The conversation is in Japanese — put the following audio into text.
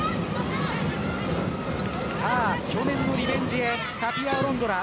去年のリベンジへタピア・アロンドラ。